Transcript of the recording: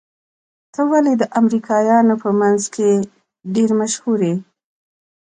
ته ولې د امريکايانو په منځ کې ډېر مشهور يې؟